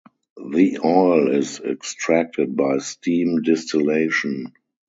The oil is extracted by steam distillation.